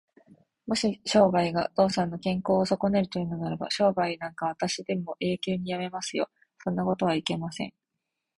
でも、もし商売がお父さんの健康をそこねるというのなら、商売なんかあしたにでも永久にやめますよ。そんなことはいけません。